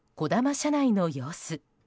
車内の様子。